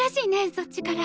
そっちから。